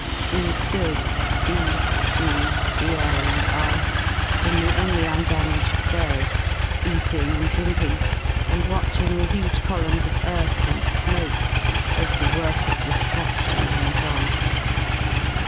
We ^ood, B , G , Bl , and I, in the only undamaged bay, eating and drinking, and watching the huge columns of earth and smoke as the work of de^ruc tion went on.